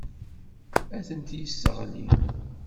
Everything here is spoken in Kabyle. Ad tent-yesseɣli.